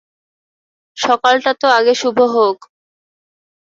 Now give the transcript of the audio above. সকালটা তো আগে শুভ হোক।